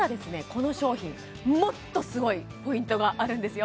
この商品もっとすごいポイントがあるんですよ